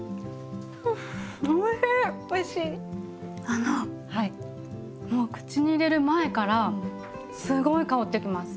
あのもう口に入れる前からすごい香ってきます。